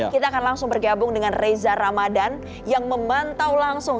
kita akan langsung bergabung dengan reza ramadan yang memantau langsung